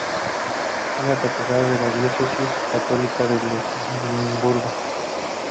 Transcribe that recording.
Es la catedral de la diócesis católica de Limburgo.